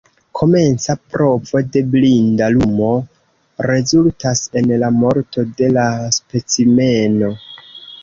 Komenca provo de blinda lumo rezultas en la morto de la specimeno.